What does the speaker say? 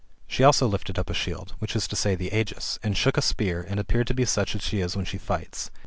She also lifted up a shield [i.e, the aegisj, and shook a spear, and appeared to be such as she is when she fights.